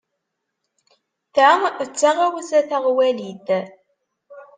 Ta d taɣawsa taɣwalit.